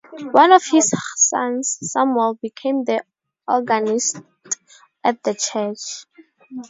One of his sons, Samuel, became the organist at the church.